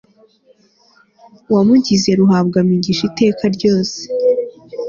wamugize ruhabwamigisha iteka ryose